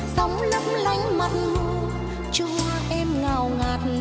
sống lấp lánh mặt nụ cho hoa em ngào ngạt